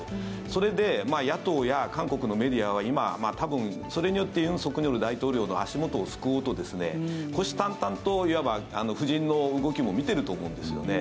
それで野党や韓国のメディアは今、多分それによって尹錫悦大統領の足元をすくおうと虎視眈々といわば、夫人の動きも見てると思うんですよね。